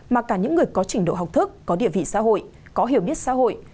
mà cả những người có trình độ học thức có địa vị xã hội có hiểu biết xã hội